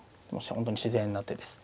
本当に自然な手です。